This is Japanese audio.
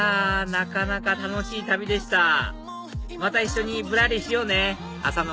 なかなか楽しい旅でしたまた一緒にぶらりしようね浅野